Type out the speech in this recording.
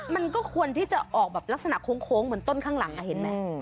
มันก็ควรที่จะออกแบบลักษณะโค้งเหมือนต้นข้างหลังเห็นไหม